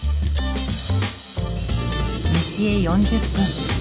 西へ４０分。